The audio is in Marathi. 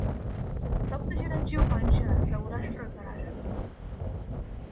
सप्तचिरंजीव पांचाल सौराष्ट्र चा राजा.